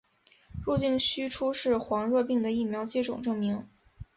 入境须出示黄热病的疫苗接种证明。